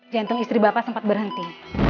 jantung istri bapak sempat berhenti